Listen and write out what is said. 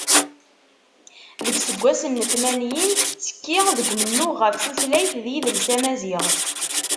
Deg yiseggasen n tmanyin, tettekki deg umennuɣ ɣef tutlayt d yidles amaziɣ.